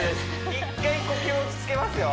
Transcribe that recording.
１回呼吸を落ち着けますよ